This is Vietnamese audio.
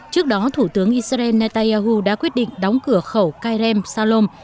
trước đó thủ tướng israel netanyahu đã quyết định đóng cửa khẩu kerem salom